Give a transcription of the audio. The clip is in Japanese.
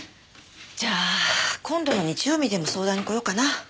じゃあ今度の日曜にでも相談に来ようかな。